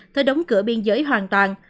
tới đóng cửa biên giới hoàn toàn